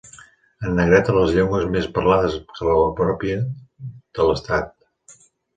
En negreta les llengües més parlades que la pròpia de l'Estat.